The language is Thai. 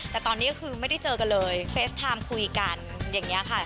แต่ตอนนี้ก็คือไม่ได้เจอกันเลยเฟสไทม์คุยกันอย่างนี้ค่ะ